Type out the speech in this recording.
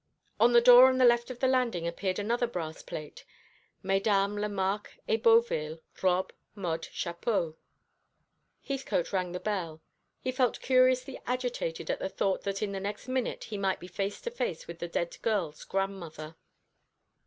On the door on the left of the landing appeared another brass plate Mesdames Lemarque et Beauville, Robes, Modes, Chapeaux. Heathcote rang the bell. He felt curiously agitated at the thought that in the next minute he might be face to face with the dead girl's grandmother.